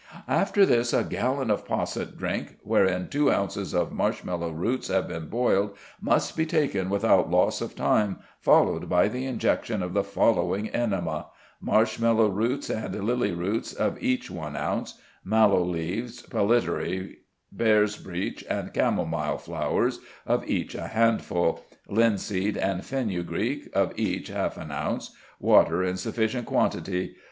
"After this a gallon of posset drink, wherein two ounces of marsh mallow roots have been boiled, must be taken without loss of time, followed by the injection of the following enema: Marsh mallow roots and lily roots, of each one ounce; mallow leaves, pellitory, bears' breech, and chamomile flowers, of each a handful; linseed and fennugreek, of each half an ounce; water in sufficient quantity.